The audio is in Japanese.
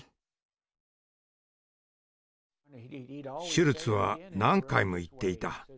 シュルツは何回も言っていた。